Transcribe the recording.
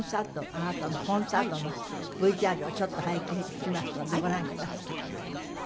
あなたのコンサートのＶＴＲをちょっと拝見しますのでご覧ください。